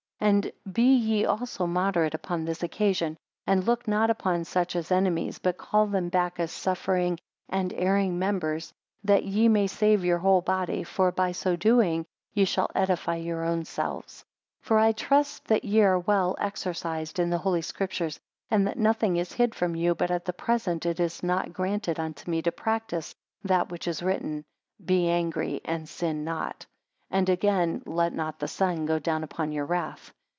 7 And be ye also moderate upon this occasion; and look not upon such as enemies, but call them back as suffering and erring members, that ye may save your whole body: for by so doing, ye shall edify your own selves. 8 For I trust that ye are well exercised in the Holy Scriptures, and that nothing is hid from you but at present it is not granted unto me to practise that which is written, Be angry and sin not; and again, Let not the sun go down upon your wrath.